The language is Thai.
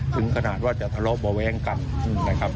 ถึงขนาดว่าจะทะเลาะเบาะแว้งกันนะครับ